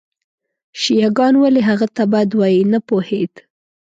شیعه ګان ولې هغه ته بد وایي نه پوهېد.